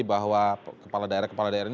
bahwa kepala daerah kepala daerah ini